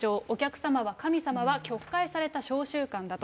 お客様は神様は曲解された習慣だと。